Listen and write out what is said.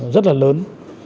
rất là lớn